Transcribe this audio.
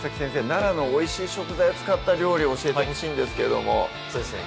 奈良のおいしい食材を使った料理を教えてほしいんですけどもそうですね